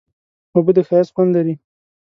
اوبه د ښایست خوند لري.